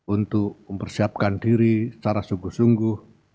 untuk mempersiapkan diri secara sungguh sungguh